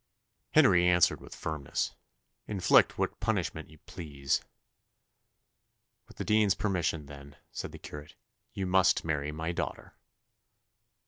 Henry answered with firmness, "Inflict what punishment you please." "With the dean's permission, then," said the curate, "you must marry my daughter."